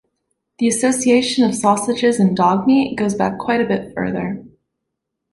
The association of sausages and dog meat goes back quite a bit further.